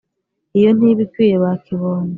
iyo ntiba ikwiye ba kibondo.